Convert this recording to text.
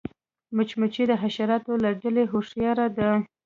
مچمچۍ د حشراتو له ډلې هوښیاره ده